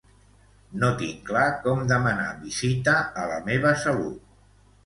No tinc clar com demanar visita a La meva salut.